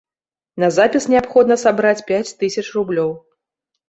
На запіс неабходна сабраць пяць тысяч рублёў.